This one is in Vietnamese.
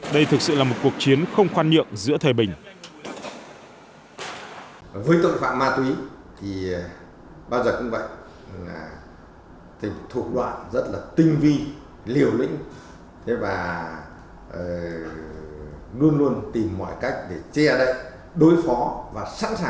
đây thực sự là một cuộc chiến không khoan nhượng giữa thời bình